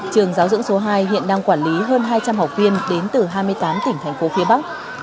trường giáo dưỡng số hai hiện đang quản lý hơn hai trăm linh học viên đến từ hai mươi tám tỉnh thành phố phía bắc